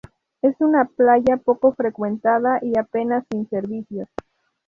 Es una playa poco frecuentada y apenas sin servicios.